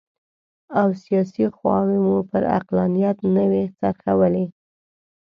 او سیاسي خواوې مو پر عقلانیت نه وي څرخولي.